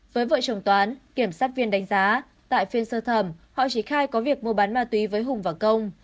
với vợ chồng toán kiểm sát viên đánh giá tại phiên sơ thẩm họ chỉ khai có việc mua bán ma túy với hùng và công